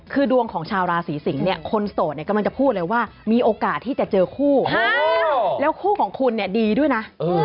คือดวงของชาวราศีสิงศ์เนี่ยคนโสดเนี่ยกำลังจะพูดเลยว่ามีโอกาสที่จะเจอคู่แล้วคู่ของคุณเนี่ยดีด้วยนะ